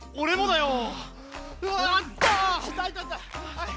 はい！